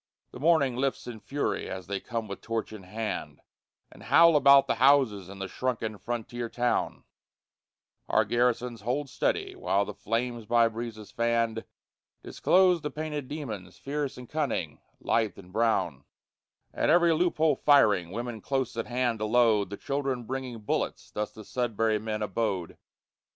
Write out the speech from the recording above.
The morning lifts in fury as they come with torch in hand, And howl about the houses in the shrunken frontier town; Our garrisons hold steady while the flames by breezes fanned Disclose the painted demons, fierce and cunning, lithe and brown; At every loophole firing, women close at hand to load, The children bringing bullets, thus the Sudbury men abode.